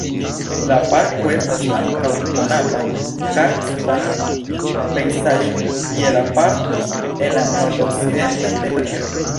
La parko estas ankaŭ konata karsta pejzaĝo je la parto en la Nordokcidentaj Teritorioj.